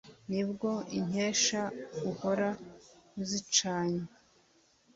nubwo inkesha uhora uzicanye